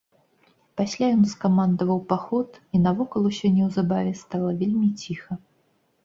Пасля ён скамандаваў паход, і навокал усё неўзабаве стала вельмі ціха.